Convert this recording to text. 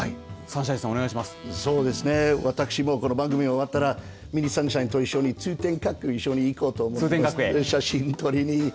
私もこの番組終わったらミニ三輝と一緒に通天閣に一緒に行こうと思ってます、写真撮りに。